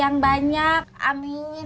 kamu punya pengayuran